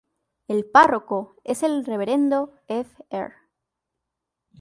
El párroco es el Reverendo Fr.